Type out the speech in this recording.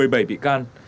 một mươi bảy bị can